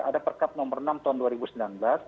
ada perkab nomor enam tahun dua ribu sembilan belas